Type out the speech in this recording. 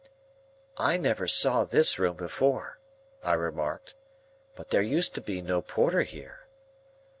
"I never saw this room before," I remarked; "but there used to be no Porter here."